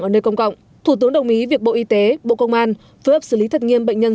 ở nơi công cộng thủ tướng đồng ý việc bộ y tế bộ công an phối hợp xử lý thật nghiêm bệnh nhân